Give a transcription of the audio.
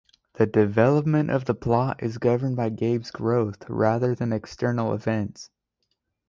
The development of the plot is governed by Gabe's growth rather than external events.